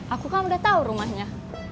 aku kan udah tahu rumahnya